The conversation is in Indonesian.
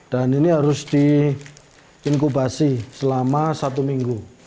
dan ini harus diinkubasi selama satu minggu